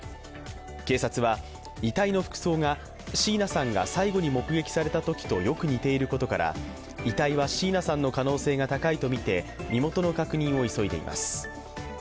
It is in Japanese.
警察は遺体の服装が椎名さんが最後に目撃されたときとよく似ていることから遺体は椎名さんの可能性が高いとみて身元の確認を急いでいます。